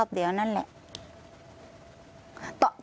รอบเดียวนั่นแหละ